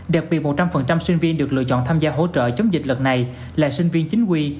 đặc biệt một trăm linh sinh viên được lựa chọn tham gia hỗ trợ chống dịch lần này là sinh viên chính quy